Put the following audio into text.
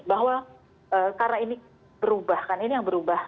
bahwa karena ini berubah kan ini yang berubah